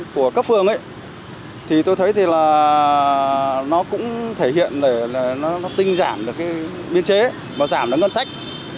của cấp phường ấy thì tôi thấy thì là nó cũng thể hiện là nó tinh giảm được cái biên chế và giảm được ngân sách